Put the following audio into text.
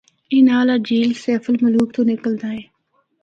اے نالہ جھیل سیف الملوک تو نکلدا اے۔